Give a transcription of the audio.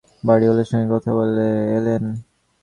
বাড়িওয়ালার সঙ্গে কথা বলে এলেন।